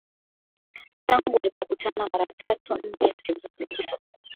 tangu walipokutana mara tatu nne zilizopita